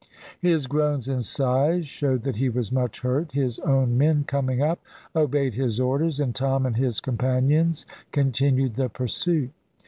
His groans and sighs showed that he was much hurt. His own men coming up obeyed his orders, and Tom and his companions continued the pursuit.